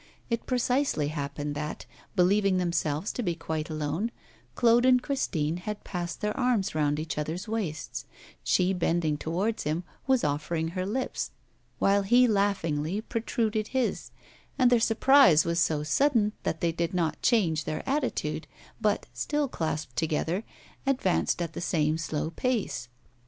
It precisely happened that, believing themselves to be quite alone, Claude and Christine had passed their arms round each other's waists; she, bending towards him, was offering her lips; while he laughingly protruded his; and their surprise was so sudden that they did not change their attitude, but, still clasped together, advanced at the same slow pace.